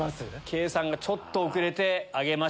圭さんがちょっと遅れて挙げました。